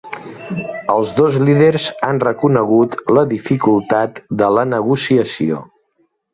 Els dos líders han reconegut la dificultat de la negociació.